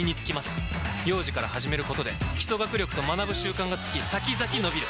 幼児から始めることで基礎学力と学ぶ習慣がつき先々のびる！